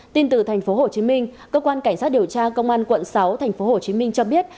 tin từ tp hcm cơ quan cảnh sát điều tra công an quận sáu tp hcm cho biết